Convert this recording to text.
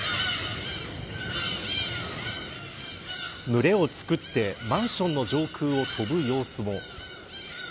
群れを作ってマンションの上空を飛ぶ様子も。